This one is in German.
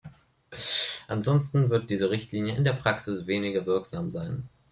Ansonsten wird diese Richtlinie in der Praxis weniger wirksam sein.